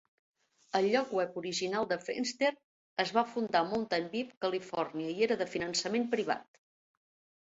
El lloc web original de Friendster es va fundar a Mountain View, Califòrnia i era de finançament privat.